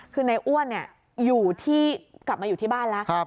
คือในอ้วนอยู่ที่กลับมาอยู่ที่บ้านแล้ว